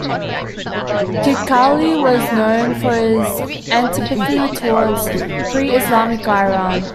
Khalkhali was known for his antipathy towards pre-Islamic Iran.